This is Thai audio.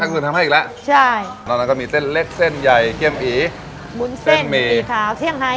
ถ้าคุณทำให้อีกแล้วใช่นอกจากนั้นก็มีเส้นเล็กเส้นใหญ่เกลี้ยมอีมุ้นเส้นอีขาวเสี่ยงไทย